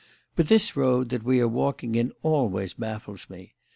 But this road that we are walking in always baffles me.